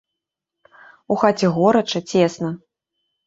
У хаце горача, цесна.